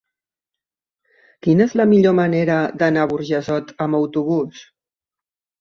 Quina és la millor manera d'anar a Burjassot amb autobús?